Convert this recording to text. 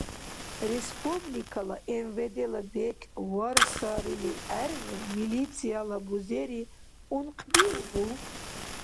Республикала МВД-ла бекӀ варсарили гӀергъи милицияла бузери ункъбиубу?